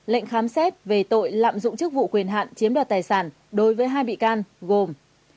lệnh khám xét về tội lạm dụng chức vụ quyền hạn chiếm đoạt tài sản đối với hai bị can gồm